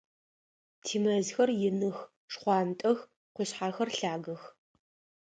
Тимэзхэр иных, шхъуантӏэх, къушъхьэхэр лъагэх.